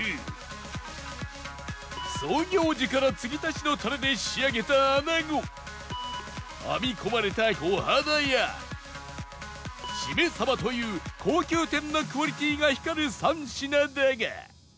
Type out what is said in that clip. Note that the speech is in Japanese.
創業時から継ぎ足しのたれで仕上げた穴子編み込まれた小肌や〆さばという高級店のクオリティーが光る３品だが